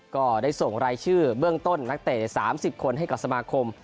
ก็ได้ส่งรายชื่อเบื้องต้นนักเตะ๓๐คนให้กับสมาคม